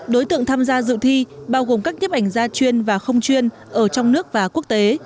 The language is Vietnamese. đối tượng tham gia dự thi bao gồm các nhiếp ảnh gia chuyên và không chuyên ở trong nước và quốc tế